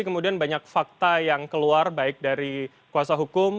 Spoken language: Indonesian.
kemudian banyak fakta yang keluar baik dari kuasa hukum